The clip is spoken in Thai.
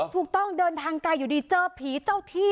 ถูกต้องเดินทางไกลอยู่ดีเจอผีเจ้าที่